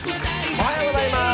おはようございます。